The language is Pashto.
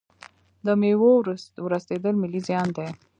د میوو ورستیدل ملي زیان دی.